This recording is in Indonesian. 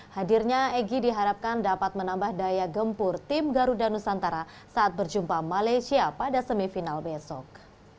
hadirnya egy diharapkan dapat menambah daya gempur tim garuda nusantara saat berjumpa malaysia pada semifinal besok